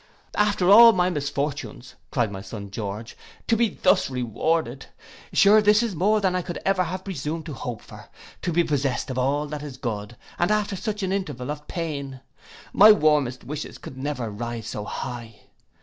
'After all my misfortunes,' cried my son George, 'to be thus rewarded! Sure this is more than I could ever have presumed to hope for. To be possessed of all that's good, and after such an interval of pain! My warmest wishes could never rise so high!